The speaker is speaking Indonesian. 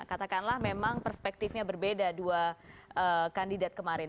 katakanlah memang perspektifnya berbeda dua kandidat kemarin